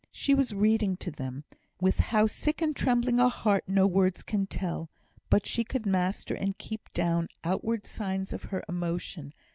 She was reading to them with how sick and trembling a heart, no words can tell. But she could master and keep down outward signs of her emotion.